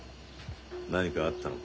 何かあったのか？